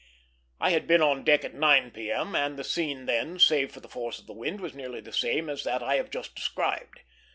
I had been on deck at 9 P.M., and the scene then, save for the force of the wind, was nearly the same as that I have just described.